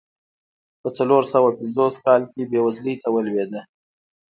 په څلور سوه پنځوس کال کې بېوزلۍ ته ولوېده.